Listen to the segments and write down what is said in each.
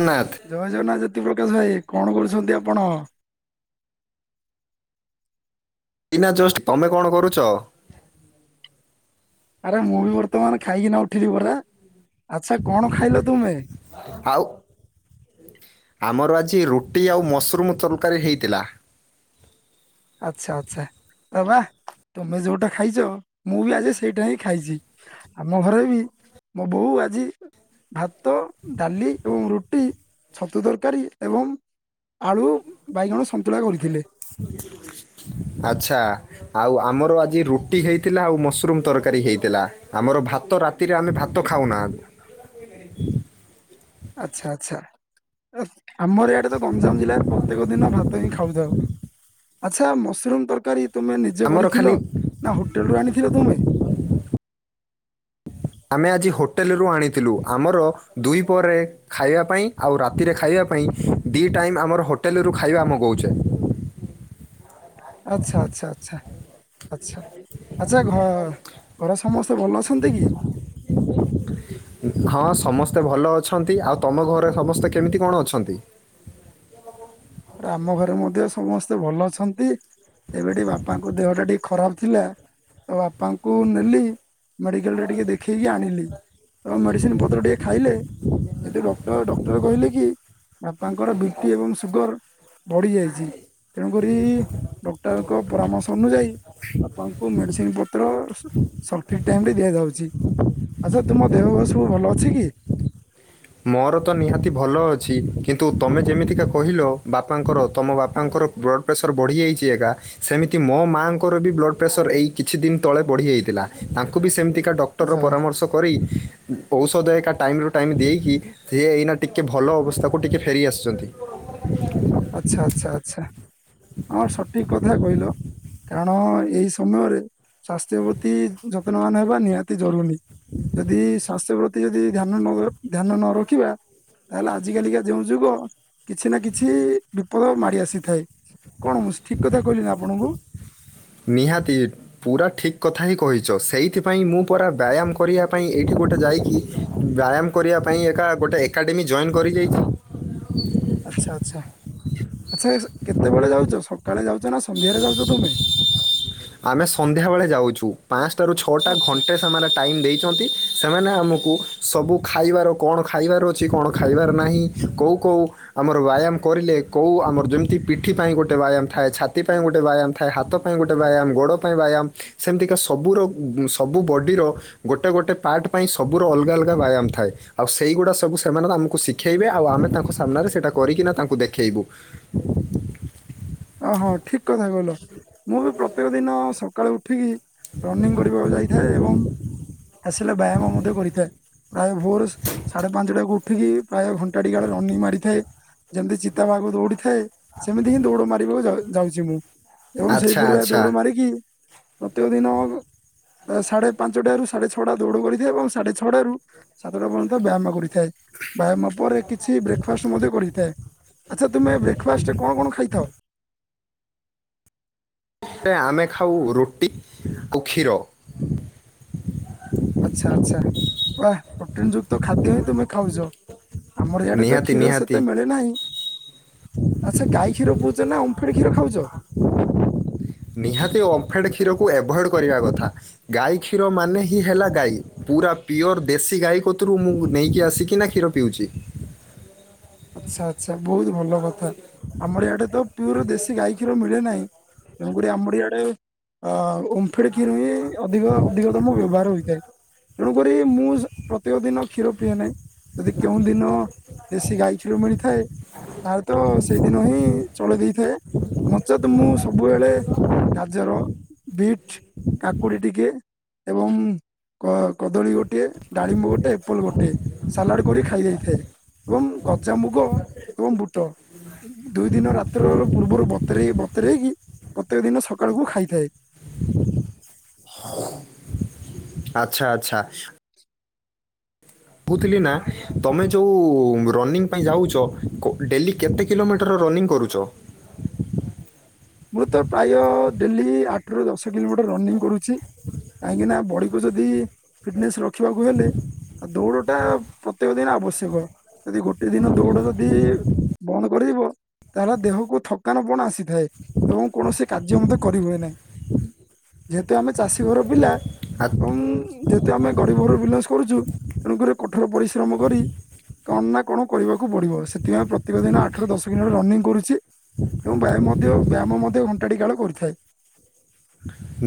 ଅନାଥ। ଜୟ ଜଗନ୍ନାଥ ଜ୍ୟୋତିପ୍ରକାଶ ଭାଇ କଣ କରୁଛନ୍ତି ଆପଣ? ଇନା ଜଷ୍ଟ ତମେ କଣ କରୁଛ? ଆରେ ମୁଁ ବି ବର୍ତ୍ତମାନ ଖାଇକିନା ଉଠିଲି ପରା ଆଚ୍ଛା କଣ ଖାଇଲ ତୁମେ? ଆଉ। ଆମର ଆଜି ରୁଟି ଆଉ ମସରୁମ ତରକାରୀ ହେଇଥିଲା। ଆଚ୍ଛା ଆଚ୍ଛା ତ ବା ତମେ ଯୋଉଟା ଖାଇଚ ମୁଁ ବି ଆଜି ସେଇଟା ହିଁ ଖାଇଚି। ଆମ ଘରେ ବି ମୋ ବୋଉ ଆଜି ଭାତ ଡାଲି ଏବଂ ରୁଟି ଛତୁ ତରକାରୀ ଏବଂ ଆଳୁ ବାଇଗଣ ସନ୍ତୁଳା କରିଥିଲେ। ଆଚ୍ଛା ଆଉ ଆମର ଆଜି ରୁଟି ହେଇ ଥିଲା ଆଉ ମସରୁମ୍ ତରକାରୀ ହେଇଥିଲା ଆମର ଭାତ ରାତିରେ ଆମେ ଭାତ ଖାଉନା। [inaudible] ଆଚ୍ଛା ଆଚ୍ଛା ଅ ଆମର ଏଇଆଡେ ତ ଗଞ୍ଜାମ୍ ଜିଲ୍ଲାରେ ପ ପ୍ରତ୍ୟେକ ଦିନ ଭାତ ହିଁ ଖାଉଥାଉ। ଆଚ୍ଛା ମସରୁମ୍ ତରକାରୀ ତମେ ନିଜେ ଆମର ଖାଲି କରିଥିଲ? ନା ହୋଟେଲରୁ ଆଣିଥିଲ ତୁମେ? ଆମେ ଆଜି ହୋଟେଲେରୁ ଆଣିଥିଲୁ ଆମର ଦୁଇ ପରେ ଖାଇବା ପାଇଁ ଆଉ ରାତିରେ ଖାଇବା ପାଇଁ ଦୁଇ ଟାଇମ୍ ଆମର ହୋଟେଲରୁ ଖାଇବା ଆମେ ମଗଉଛେ। ଆଚ୍ଛା ଆଚ୍ଛା ଆଚ୍ଛା ଆଛା ଆଚ୍ଛା ଘ ଘରେ ସମସ୍ତେ ଭଲ ଅଛନ୍ତି କି। ହଁ ସମସ୍ତେ ଭଲ ଅଛନ୍ତି ଆଉ ତମ ଘରେ ସମସ୍ତେ କେମିତି କଣ ଅଛନ୍ତି। ଆମ ଘରେ ମଧ୍ୟ ସମସ୍ତେ ଭଲ ଅଛନ୍ତି। ଏବେ ଟିକେ ବାପାଙ୍କ ଦେହ ଟା ଟିକେ ଖରାପ ଥିଲା ତ ବାପାଙ୍କୁ ନେଲି। ମେଡିକାଲ ରେ ଟିକେ ଦେଖେଇକି ଆଣିଲି ଏବଂ ମେଡିସିନ ପତ୍ର ଟିକେ ଖାଇଲେ ଏବେ ଡକ୍ଟର ଡକ୍ଟର କହିଲେ କି ବାପାଙ୍କର ବି ପି ଏବଂ ସୁଗର ବଢି ଯାଇଛି ତେଣୁକରି ଡକ୍ଟରଙ୍କ ପରାମର୍ଶ ଅନୁଯାୟୀ ବାପାଙ୍କୁ ମେଡିସିନ ପତ୍ର ସଠିକ୍ ଟାଇମ ରେ ଦିଆଯାଉଚି ଆଚ୍ଛା ତୁମ ଦେହବା ସବୁ ଭଲ ଅଛି କି? ମୋର ତ ନିହାତି ଭଲ ଅଛି କିନ୍ତୁ ତମେ ଯେମିତିକା କହିଲ ବାପାଙ୍କର ତମ ବାପାଙ୍କର ବ୍ଲଡ଼ ପ୍ରେସର ବଢ଼ିଯାଇଛି ଏକା। ସେମିତି ମୋ ମାଆଙ୍କର ବି ବ୍ଲଡ଼ ପ୍ରେସର୍ ଏଇ କିଛି ଦିନ୍ ତଳେ ବଢ଼ିଯାଇଥିଲା ତାଙ୍କୁ ବି ସେମ୍ତିକା ଡକ୍ ଡକ୍ଟର ଆଚ୍ଛା ପରାମର୍ଶ କରି, ଔଷଧ ଏକା ଟାଇମ୍ରୁ ଟାଇମ୍ ଦେଇ କି ସେ ଏଇନା ଟିକେ ଭଲ ଅବସ୍ଥାକୁ ଟିକେ ଫେରି ଆସିଚନ୍ତି। ଆଚ୍ଛା ଆଚ୍ଛା ଆଚ୍ଛା ଆମର ସଠିକ୍ କଥା କହିଲ। କାରଣ ଏଇ ସମୟରେ ସ୍ୱାସ୍ଥ୍ୟ ପ୍ରତି ଯତ୍ନବାନ ହେବା ନିହାତି ଜରୁରୀ। ଯଦି ସ୍ୱାସ୍ଥ୍ୟ ପ୍ରତି ଯଦି ଧ୍ୟାନ ନ ଧ୍ୟାନ ନ ରଖିବା ତାହେଲେ ଆଜି କାଲିକା ଯେଉଁ ଯୁଗ କିଛି ନା କିଛି ବିପଦ ମାଡି ଆସିଥାଏ କଣ ମୁଁ ଠିକ କଥା କହିଲି ନା ଆପଣଙ୍କୁ? ନିହାତି। ପୁରା ଠିକ୍ କଥା ହି କହିଚ ସେଇଥିପାଇଁ ମୁଁ ପରା ବ୍ୟାୟାମ କରିବା ପାଇଁ ଏଇଠି ଗୋଟେ ଯାଇକି ବ୍ୟାୟାମ କରିବା ପାଇଁ ଏକା ଗୋଟେ ଏକାଡେମୀ ଜଏନ୍ କରିଯାଇଛି। ଆଚ୍ଛା ଆଚ୍ଛା। ଆଛା କେତେବେଳେ ଯାଉଛ ସକାଳେ ଯାଉଛ ନା ସନ୍ଧ୍ୟାରେ ଯାଉଛ ତମେ? ଆମେ ସନ୍ଧ୍ୟାବେଳେ ଯାଉଚୁ ପାଁସଟାରୁ ଛଅଟା ଆଚ୍ଛା ଘଣ୍ଟେ ସେମାନେ ଟାଇମ୍ ଦେଇଚନ୍ତି। ସେମାନେ ଆମକୁ ସବୁ ଖାଇବାର କଣ ଖାଇବାର ଅଛି କଣ ଖାଇବାର ନାହିଁ କୋଉ କୋଉ ଆମର ବ୍ୟାୟାମ କରିଲେ କୋଉ ଆମର ଯେମିତି ପିଠି ପାଇଁ ଗୋଟେ ବ୍ୟାୟାମ ଥାଏ ଛାତି ପାଇଁ ଗୋଟେ ବ୍ୟାୟାମ ଥାଏ ହାତ ପାଇଁ ଗୋଟେ ବ୍ୟାୟାମ ଗୋଡ଼ ପାଇଁ ବ୍ୟାୟାମ ସେମିତିକା ସବୁର ସବୁ ବଡ଼ିର। ଗୋଟେ ଗୋଟେ ପାର୍ଟ ପାଇଁ ସବୁ ର ଅଲଗା ଅଲଗା ବ୍ୟାୟାମ ଥାଏ। ଆଉ ସେଇଗୁଡା ସବୁ ସେମାନେ ଆମକୁ ଶିଖେଇବେ ଆଉ ଆମେ ତାଙ୍କ ସାମ୍ନାରେ ସେଇଟା କରିକିନା ତାଙ୍କୁ ଦେଖେଇବୁ। ଓହଁ ଠିକ କଥା କିଲ ମୁଁ ବି ପ୍ରତ୍ୟେକ ଦିନ ସ କାଳୁ ଉଠିକି ରନିଂ କରିବାକୁ ଯାଇଥାଏ। ଏବଂ ଆସିଲା ବ୍ୟାୟାମ ମଧ୍ୟ କରିଥାଏ ପ୍ରାୟ ଭୋର ସାଢେ ପାଞ୍ଚଟାକୁ ଉଠିକି ପ୍ରାୟ ଘଣ୍ଟାଡି କାଳ ରନିଂ ମାରିଥାଏ। ଯେମିତି ଚିତାବାଘକୁ ଦୌଡି ଥାଏ ସେମିତି ହିଁ ଦୌଡ଼ ମାର ଯାଉ ଯାଉଛି ମୁଁ ଏବଂ ଆଚ୍ଛା ସେଇପରିଆ ଆଚ୍ଛା ଦୌଡ ମାରିକି ପ୍ରତ୍ୟେକ ଦିନ ସାଢେ ପାଞ୍ଚଟାରୁ ସାଢେ ଛଅଟା ଦୌଡ଼ କରିଦିଏ ଏବଂ ସାଢେ ଛଅଡାରୁ ସାତଟା ପର୍ଯ୍ୟନ୍ତ ବ୍ୟାୟାମ କରିଥାଏ। ବାୟାମ ପରେ କିଛି ବ୍ରେକ୍ଫାଷ୍ଟ ମଧ୍ୟ କରିଥାଏ ଆଚ୍ଛା ତୁମେ ବ୍ରେକ୍ଫାଷ୍ଟରେ କଣ କଣ ଖାଇଥାଅ। ହେ ଆମେ ଖାଉ ରୁଟି କୁ କ୍ଷୀର। ଆଚ୍ଛା ଆଛା ପ୍ରୋଟିନ୍ ଯୁକ୍ତ ଖାଦ୍ୟ ହିଁ ତୁମେ ଖାଉଛ। ଆମର ଇଆଡେ ତ ନିହାତି କ୍ଷୀର ନିହାତି ସେତେ ମିଳେ ନାହିଁ। ଆଚ୍ଛା ଗାଇଖିର ପିଉଚ ନା ଓମ୍ ଫେଡ କ୍ଷୀର ଖାଉଚ। ନିହାତି ଓମ୍ଫେଡ କ୍ଷୀରକୁ ଏଭଏଡ କରିବା କଥା। ଗାଈ କ୍ଷୀର ମାନେ ହି ହେଲା ଗାଈ ପୁରା ପିଓର ଦେଶୀ ଗାଈ କତରୁ ମୁଁ ନେଇକି ଆସିକିନା କ୍ଷୀର ପିଉଚି। ଆଛା ଆଚ୍ଛା ବୋହୁତ ଭଲ କଥା ଆମର ଇଆଡେ ତ ପିଓର ଦେଶୀ ଗାଈ କ୍ଷୀର ମିଳେ ନାହିଁ ତେଣୁକଡି ଆମରଇଆଡେ ଅ ଓମ୍ ଫେଡ୍ କ୍ଷୀର ହିଁ ଅଧିକ ଅଧିକ ତମ ବ୍ୟବହାର ହୋଇଥାଏ ତେଣୁକରି ମୁଁ ସୁ ପ୍ରତ୍ୟେକ ଦିନ କ୍ଷୀର ପିଏ ନାହିଁ। ଯଦି କେଉଁ ଦିନ ଦେଶୀ ଗାଈ ଖିର ମିଳିଥାଏ ତାଲେ ତ ସେଇଦିନ ହିଁ ଚଳେଇ ଦେଇଥାଏ ନଚେତ ମୁଁ ସବୁବେଳେ ଗାଜର ବିଟ୍ କାକୁଡି ଟିକେ ଏବଂ କ କଦଳୀ ଗୋଟିଏ ଡାଳିମ୍ବ ଗୋଟେ ଏପଲ ଗୋଟେ। ସାଲାଡେ କଡି ଖାଇ ଜାଇଥାଏ ଏବଂ ଗଜାମୁଗ ଏବଂ ବୁଟ ଦୁଇ ଦିନ ରାତ୍ର ର ପୂର୍ବରୁ ବତରେଇ ବତରେଇକି ପ୍ରତ୍ୟେକ ଦିନ ସକାଳକୁ ଖାଇଥାଏ। ଆଛା ଆଚ୍ଛା। ପୁଥିଲି ନା ତମେ ଯୋଉ ରନିଂ ପାଇଁ ଯାଉଛ କୋ ଡେଲି କେତେ କିଲୋମିଟର ରନିଂ କରୁଛ। ମୁଁ ତ ପ୍ରାୟ ଡେଲି ଆଠ ଠରୁ ଦଶ କିଲୋମିଟର ରନିଂ କରୁଛି କାହିଁକିନା ବଡ଼ିକୁ ଯଦି ଫିଟନେସ ରଖିବାକୁ ହେଲେ ଆ ଦୌଡ଼ ଟା ପ୍ରତ୍ୟେକ ଦିନ ଆବଶ୍ୟକ। ଯଦି ଗୋଟେ ଦିନ ଦୌଡ ଯଦି ବନ୍ଦ କରିଇବ ତାହେଲେ ଦେହକୁ ଥକାନ ପଣ ଆସିିବ। ହେଏ କୌଣସି କାର୍ଯ୍ୟ ମଧ୍ଯ କରି ହୁଏ ନାହିଁ ଯେହେତୁ ଆମେ ଚାଷୀ ଘର ପିଲା ଆ- ଏବଂ ଯେହେତୁ ଆମେ ଗରିବର ବିଲଙ୍ଗସ୍ କରୁଛୁ ତେଣୁକରି କଠୋର ପରିଶ୍ରମ କରି କଣ ନା କଣ କରିବାକୁ ପଡିବ ସେଥିପାଇଁ ପ୍ରତ୍ୟେକ ଦିନ ଆଠରୁ ଦଶ କିଲୋଟ ରନିଙ୍ଗ କରୁଚି। ଏବଂ ବ୍ୟାୟାମ ମଧ୍ୟ ବ୍ୟାୟାମ ମଧ୍ୟ ଘଣ୍ଟାଟି କାଳ କରିଥାଏ।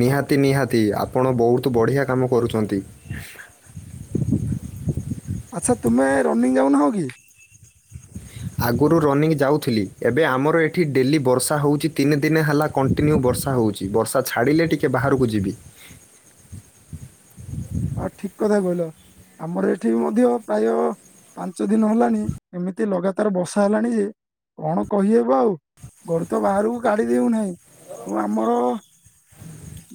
ନିହାତି ନିହାତି ଆପଣ ବହୁତ ବଢିଆ କାମ କରୁଚ଼ନ୍ତି। ଆଚ୍ଛା ତୁମେ ରନିଂ ଯାଉନାହଁ କି? ଆଗରୁ ରନିଂ ଯାଉଥିଲି ଏବେ ଆମର ଏଠି ଡେଲି ବର୍ଷା ହେଉଛି ତିନି ଦିନ ହେଲା କଣ୍ଟିନ୍ୟୁ ବର୍ଷା ହେଉଛି ବର୍ଷା ଛାଡ଼ିଲେ ଟିକିଏ ବାହାରକୁ ଯିବି। ହଁ ଠିକ କଥା କହିଲ ଆମର ଏଠି ବି ମଧ୍ୟ ପ୍ରାୟ ପାଞ୍ଚ ଦିନ ହେଲାଣି ଏମିତି ଲଗାତାର ବର୍ଷା ହେଲାଣି ଯେ କଣ କହିହେବ ଆଉ। ଘରୁ ତ ବାହାରକୁ କାଢିଦଉନାହିଁ ଏବଂ ଆମର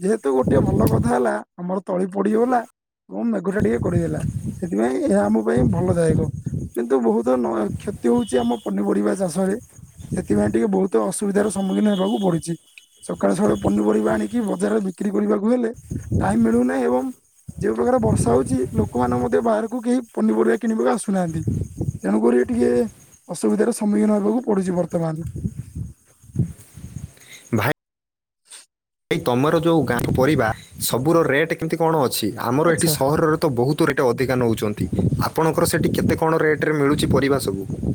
ଯେହେତୁ ଗୋଟେ ଭଲ କଥା ହେଲା ଆମର ତଳି ପଡିଗଲା। ଏବଂ ମେଘୁ ଟା ଟିକେ କଡିଦେଲା ସେଥିପାଇଁ ଏହା ଆମ ପାଇଁ ଭଲ ଦାୟକ। କିନ୍ତୁ ବହୁତ ନୁହଁ କ୍ଷତି ହଉଛି ଆମ ପନିପରିବା ଚାଷରେ। ସେଥିପାଇଁ ଟିକେ ବହୁତ ଅସୁବିଧାର ସମ୍ମୁଖୀନ ହେବାକୁ ପଡିଛି। ସକାଳୁ ସକାଳୁ ପନିପରିବା ଆଣିକି ବଜାରରେ ବିକ୍ରି କରିବାକୁ ହେଲେ ଟାଇମ୍ ମିଳୁନାହିଁ ଏବଂ ଯୋଉ ପ୍ରକାର ବର୍ଷା ହଉଛି ଲୋକମାନେ ମଧ୍ୟ ବାହାରକୁ କେହି ପାନି ପରିବା କିଣିବାକୁ ଆସୁନାହାନ୍ତି। ତେଣୁକରି ଟିକେ ଅସୁବିଧାର ସମ୍ମୁଖୀନ ହେବାକୁ ପଡୁଛି ବର୍ତ୍ତମାନ। ଭାଇ ତମର ଯୋଉ ଗାଁ ପରିବା ସବୁ ର ରେଟ୍ କେମିତି କଣ ଅଛି? ଆମର ଏଠି ଆଚ୍ଛା ସହରର ତ ବହୁତ ରେଟ୍ ଅଧିକା ନେଉଛନ୍ତି ଆପଣଙ୍କର ସେଇଠି କେତେ କଣ ରେଟ ରେ ମିଳୁଛି ପରିବା ସବୁ?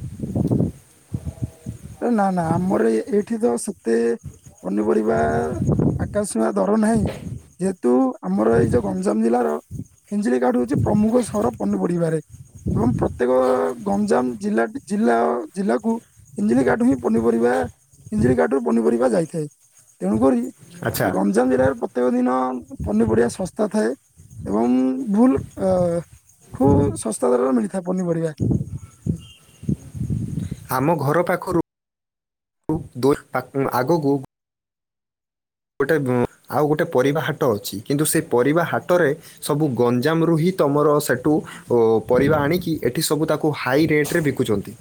ନା ନା ଆମର ଏଇଠି ତ ସେତେ ପନିପରିବା ଆକାଶ ଛୁଆଁ ଦର ନାହିଁ। ଯେହେତୁ ଆମର ଏଇ ଯୋଉ ଗଞ୍ଜାମ ଜିଲ୍ଲାର ଇଞ୍ଜଳି କାଠ ହଉଛି ପ୍ରମୁଖ ସହର ପନିପଡିବାରେ। ଏବଂ ପ୍ରତ୍ୟେକ ଗଞ୍ଜାମ ଜିଲ୍ଲା ଜିଲ୍ଲା ଜିଲ୍ଲାକୁ ଇଞ୍ଜିଳି କାଠ ହିଁ ପନିପରିବା ଇଞ୍ଜିଳି କାଠ ରୁ ପନିପରିବା ଯାଇଥାଏ ତେଣୁକରି ଆଚ୍ଛା ଗଞ୍ଜାମ ଜିଲ୍ଲାରେ ପ୍ରତ୍ୟେକ ଦିନ ପନିପରିବା ଶସ୍ତା ଥାଏ ଏବଂ ଭୁଲ ଖୁବ ଶସ୍ତା ଦରରେ ମିଳିଥାଏ ପନିପରିବା। ଆମ ଘର ପାଖରୁ ଆଗକୁ ଗୋଟେ ଆଉ ଗୋଟେ ପରିବା ହାଟ ଅଛି। କିନ୍ତୁ ସେଇ ପରିବା ହାଟରେ ସବୁ ଗଞ୍ଜାମରୁ ହିଁ ତମର ସେଠୁ ଓ ପରିବା ଆଣିକି ଏଠି ସବୁ ତାକୁ ହାଇ ରେଟରେ ବିକୁଛନ୍ତି।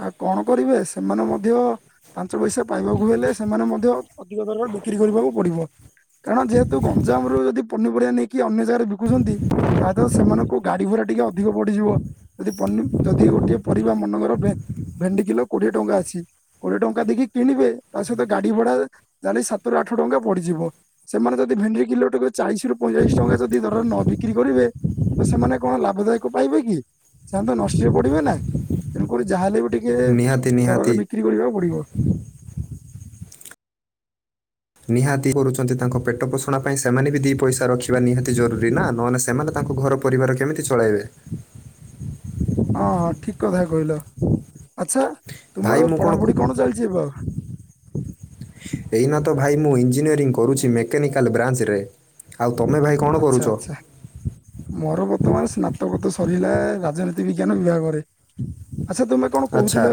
ଆଉ କଣ କରିବେ, ସେମାନେ ମଧ୍ୟ ପାଞ୍ଚ ପଇସା ପାଇବାକୁ ହେଲେ ସେମାନେ ମଧ୍ୟ ଅଧିକ ଦରରେ ବିକ୍ରି କରିବାକୁ ପଡିବ। କାରଣ ଯେହେତୁ ଗଞ୍ଜାମ ରୁ ଯଦି ପନିପରିବା ନେଇକି ଅନ୍ୟ ଜାଗାରେ ବିକୁଛନ୍ତି ତା ତ ସେମାନଙ୍କୁ ଗାଡି ଭଡା ଟିକେ ଅଧିକ ବଡିଯିବ। ଯଦି ଯଦି ଗୋଟିଏ ପରିବା ମନେକର ଭେଣ୍ଡି କିଲୋ କୋଡିଏ ଟଙ୍କା ଅଛି କୋଡିଏ ଟଙ୍କା ଦେଇକି କିଣିବେ ତା ସହିତ ଗାଡି ଭଡା ଜାଣି ସାତରୁ ଆଠ ଟଙ୍କା ପଡିଯିବ। ସେମାନେ ଯଦି ଭେଣ୍ଡି କିଲୋ ଟାକୁ ଚାଳିଶି ରୁ ପଇଁଚାଳିଶ ଟଙ୍କା ଯଦି ଦର ରେ ନ ବିକ୍ରି କରିବେ ତ ସେମାନେ କଣ ଲାଭଦାୟକ ପାଇବେ କି? ସେମାନେ ତ ନଷ୍ଟରେ ପଡିବେ ନାଁ। ତେଣୁକ ଯାହାହେଲେ ବି ଟିକେ ନିହାତି ନିହାତି ଦରରେ ବିକ୍ରି କରିବାକୁ ପଡିବ। ନିହାତି କରୁଛନ୍ତି ତାଙ୍କ ପେଟ ପୋଷଣ ପାଇଁ ସେମାନେ ବି ଦି ପଇସା ରଖିବା ନିହାତି ଜରୁରୀ ନା। ନହଲେ ସେମାନେ ତାଙ୍କ ଘର ପରିବାର କେମିତି ଚଳାଇବେ? ହଁ ହଁ ଠିକ କଥା କହିଲ। ଆଚ୍ଛା ଭାଇ ତୁମର ଏ ମୁଁ ପଢାପଢି କ- କଣ ଚାଲିଛି ଏବେ ଆଉ? ଏଇନା ତ ଭାଇ ମୁଁ ଇଞ୍ଜିନିୟରିଂ କରୁଛି ମେକାନିକାଲ୍ ବ୍ରାଞ୍ଚ ରେ। ଆଉ ତମେ ଭାଇ କ'ଣ କରୁଛ ଆଚ୍ଛା ଆଛା। ମୋର ବର୍ତ୍ତମାନ ସ୍ନାତକ ତ ସରିଲା ରାଜନୀତି ବିଜ୍ଞାନ ବିଭାଗରେ। ଆଛା ତମେ? ଆଛା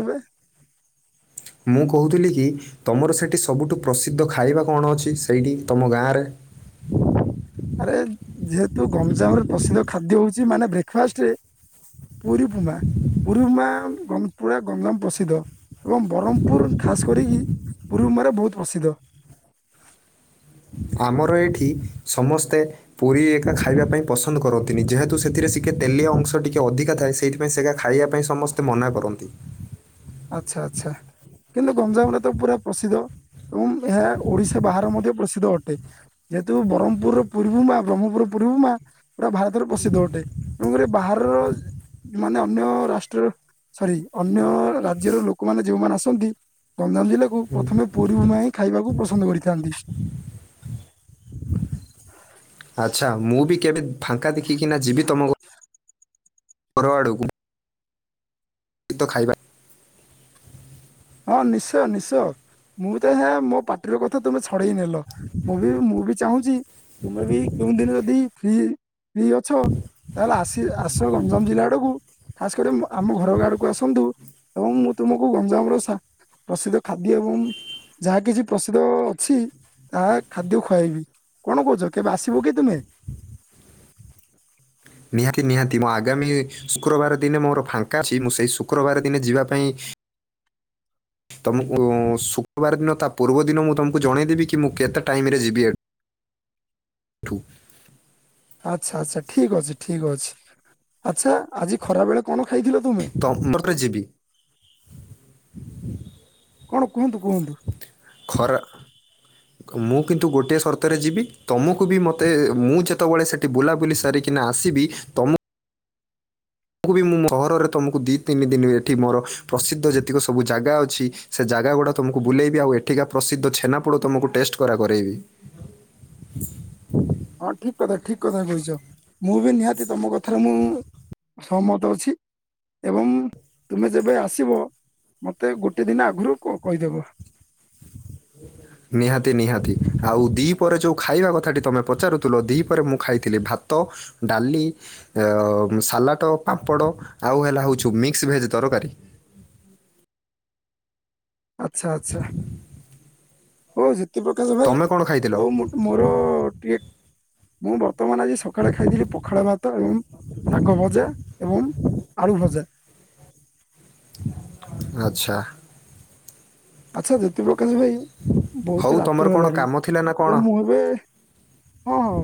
ମୁଁ କହୁଥିଲି କି ତମର ସେଠି ସବୁଠୁ ପ୍ରସିଦ୍ଧ ଖାଇବା କଣ ଅଛି ସେଇଠି ତମ ଗାଁରେ? ଆରେ ଯେହେତୁ ଗମଜାମ ରେ ପ୍ରସିଦ୍ଧ ଖାଦ୍ୟ ହଉଛି ମାନେ ବ୍ରେକ୍ଫାଷ୍ଟ ରେ। ପୁରୀ ପୁମା। ରୁମା ଗ ପୁରା ଗଙ୍ଗାମ ପ୍ରସିଦ୍ଧ। ଏବଂ ବରହମ ପୁର ଖାସ କରିକି ପୁରୀ ଉମା ରେ ବହୁତ ପ୍ରସିଦ୍ଧ। ଆମର ଏଠି ସମସ୍ତେ ପୁରୀ ଏକା ଖାଇବା ପାଇଁ ପସନ୍ଦ କରନ୍ତିନି ଯେହେତୁ ସେଥିରେ ସିକେ ତେଲିଆ ଅଂଶ ଟିକେ ଅଧିକା ଥାଏ ସେ ବେ ସେଗା ଖାଇବା ପାଇଁ ସମସ୍ତେ ମନା କରନ୍ତି। ଆଚ୍ଛା ଆଚ୍ଛା। କିନ୍ତୁ ଗଞ୍ଜାମରେ ତ ପୁରା ପ୍ରସିଦ୍ଧ ଏବଂ ଏହା ଓଡିଶା ବାହାରେ ମଧ୍ୟ ପ୍ରସିଦ୍ଧ ଅଟେ। ଯେହେତୁ ବରହମପୁରର ପୁରୀ ଉମା ବ୍ରହ୍ମପୁରର ପୁରୀଉମା ପୁରା ଭାରତରେ ପ୍ରସିଦ୍ଧ ଅଟେ। ତେଣୁକରି ବାହାର ମାନେ ଅନ୍ୟ ରାଷ୍ଟ୍ର ସରି ଅନ୍ୟ ରା ରାଜ୍ୟର ଲୋକମାନେ ଯେଉଁମାନେ ଆସନ୍ତି ଗଞ୍ଜାମ ଜିଲ୍ଲାକୁ ପ୍ରଥମେ ପୁରୀ ଉମା ହି ଖାଇବାକୁ ପସନ୍ଦ କରିଥାନ୍ତି। ଆଛା ମୁଁ ବି କେବେ ଫାଙ୍କା ଦେଖିକିନା ଯିବି ତମ ପର ଆଡ଼କୁ ତ ଖାଇବା। ହଁ ନିଶ୍ଚୟ ନିଶ୍ଚୟ ମୁଁ ତ ହେ ମୋ ପାଟିର କଥା ତୁମେ ଛଡେଇ ନେଲ। ମୁଁ ବି ମୁଁ ବି ଚାହୁଁଛି ତୁମେ ବି କେଉଁ ଦିନ ଯଦି ଫ୍ରି ଫ୍ରି ଅଛ ତାହେଲେ ଆସି ଆସ ଗଞ୍ଜାମ ଜିଲ୍ଲା ଆଡକୁ ଖାସ କରି ଆମ ଘର ଆଡକୁ ଆସନ୍ତୁ। ଏବଂ ମୁଁ ତୁମକୁ ଗଞ୍ଜାମ ର ସ ପ୍ରସିଦ୍ଧ ଖାଦ୍ୟ ଏବଂ ଯାହା କିଛି ପ୍ରସିଦ୍ଧ ଅଛି। ତା ଖାଦ୍ୟ ଖୁଆଇବି କଣ କହୁଛ କେବେ ଆସିବ କି ତୁମେ? ନିହାତି ନିହାତି ମୋ ଆଗାମୀ ଶୁକ୍ରବାର ଦିନେ ମୋର ଫାଙ୍କା ସେ ମୁଁ ସେଇ ଶୁକ୍ରବାର ଦିନେ ଯିବା ପାଇଁ ତୁମକୁ ଶୁକ୍ରବାର ଦିନ ତା ପୂର୍ବ ଦିନ ମୁଁ ତମକୁ ଜଣେଇଦେବି କି ମୁଁ କେତେ ଟାଇମରେ ଯିବି ଏ ଠୁ। ଆଚ୍ଛା ଆଚ୍ଛା ଠିକ ଅଛି ଠିକ ଅଛି ଆଚ୍ଛା ଆଜି ଖରା ବେଳ କଣ ଖାଇଥିଲ? ତୁମେ କମର ତ ଯିବି କଣ କୁହନ୍ତୁ କୁହନ୍ତୁ? ଖରା ମୁଁ କିନ୍ତୁ ଗୋଟିଏ ସର୍ତ୍ତରେ ଯିବି ତୁମକୁ ବି ମୋତେ ମୁଁ ଯେତେବେଳେ ସେଠି ବୁଲାବୁଲି ସାରିକିନା ଆସିବି। ତମୁ କୁ ବି ମୁଁ ସହରରେ ତୁମକୁ ଦିଇ ତିନି ଦିନ ଏଠି ମୋର ପ୍ରସିଦ୍ଧ ଯେତିକ ସବୁ ଜାଗା ଅଛି। ସେ ଜାଗା ଗୁଡ଼ା ତମକୁ ବୁଲେଇବି ଆଉ ଏଠିକା ପ୍ରସିଦ୍ଧ ଛେନାପୋଡ଼ ତୁମକୁ ଟେଷ୍ଟ କରା କରାଇବି। ହଁ ଠିକ କଥା ଠିକ କଥା କହିଛ ମୁଁ ବି ନିହାତି ତମ କଥାରେ ମୁଁ ସହମତ ଅଛି। ଏବଂ ତୁମେ ଯେବେ ଆସିବ ମୋତେ ଗୋଟେ ଦିନ ଆଗରୁ କହିଦବ। ନିହାତି ନିହାତି ଆଉ ଦି ପହରେ ଯୋଉଁ ଖାଇବା କଥାଟି ତୁମେ ପଚାରୁଥିଲ ଦି ପହରେ ପରେ ମୁଁ ଖାଇଥିଲି ଭାତ ଡାଲି ସାଲାଟ ପାମ୍ପଡ଼ ଆଉ ହେଲା ହେଉଛି ମିକ୍ସ ଭେଜ୍ ତରକାରୀ। ଆଛା ଆଛା ହଉ ଜ୍ୟୋତିପ୍ରକାଶ ଭାଇ ତମେ କ'ଣ ଖାଇଥିଲ ହଉ ମୁ ମୋର ଟିକେ ମୁଁ ବର୍ତ୍ତମାନ ଆଜି ସକାଳେ ଖାଇଥିଲି ପଖାଳ ଭାତ ଏବଂ ଶାଗ ଭଜା ଏବଂ ଆଳୁ ଭଜା। ଆଚ୍ଛା। ଆଚ୍ଛା ଜ୍ୟୋତିପ୍ରକାଶ ଭାଇ ହଉ ବହୁତ ତମର ରାତ୍ରି କ'ଣ ହେଲାଣି କାମ ଥିଲା ନା କ'ଣ ତେଣୁ ମୁଁ ଏବେ ହଁ ହଁ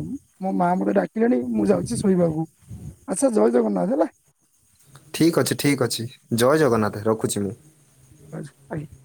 ମୋ ମା ମତେ ଡାକିଲେଣି ମୁଁ ଯାଉଛି ଶୋଇବାକୁ। ଆଚ୍ଛା ଜୟ ଜଗନ୍ନାଥ ହେଲା। ଠିକ୍ ଅଛି ଠିକ୍ ଅଛି ଜୟ ଜଗନ୍ନାଥ ରଖୁଛି ମୁଁ। ଯାଉଛି ଆଜ୍ଞା।